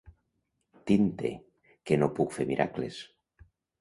Tin-te, que no puc fer miracles.